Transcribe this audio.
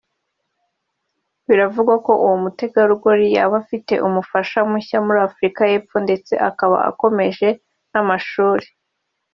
Biravugwa ko uwo mutegarugori yaba afite umufasha mushya muri Afurika y’Efpo ndetse akaba akomeje n’amashuri